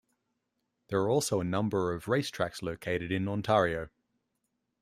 There are also a number of racetracks located in Ontario.